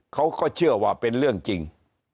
เขาก็เชื่อว่าเป็นเรื่องจริง